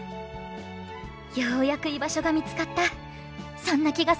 「ようやく居場所が見つかったそんな気がする」。